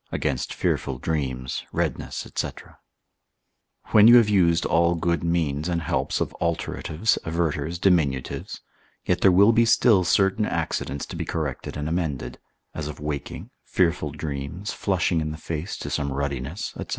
Against fearful Dreams, Redness, &c._ When you have used all good means and helps of alteratives, averters, diminutives, yet there will be still certain accidents to be corrected and amended, as waking, fearful dreams, flushing in the face to some ruddiness, &c.